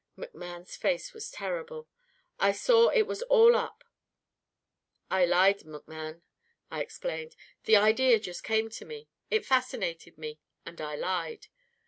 "McMann's face was terrible. I saw it was all up. 'I lied, McMann,' I explained. 'The idea just came to me, it fascinated me, and I lied.